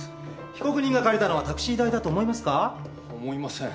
被告人が借りたのはタクシー代だと思いますか？